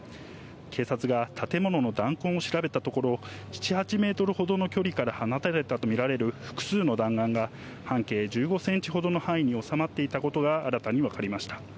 警察が建物の弾痕を調べたところ、７、８メートルほどの距離から放たれたと見られる複数の弾丸が、半径１５センチほどの範囲に収まっていたことが、新たに分かりました。